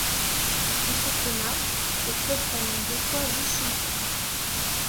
En championnat, le club termine deux fois vice-champion.